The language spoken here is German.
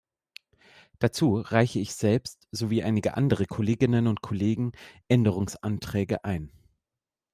Dazu reiche ich selbst sowie einige andere Kolleginnen und Kollegen Änderungsanträge ein.